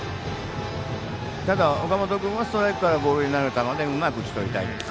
ただ、岡本君はストライクからボールになる球でうまく打ちとりたいです。